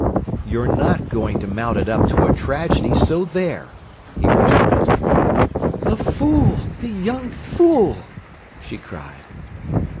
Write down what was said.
"You're not going to mount it up to a tragedy, so there," he retorted. "The fool!—the young fool!" she cried.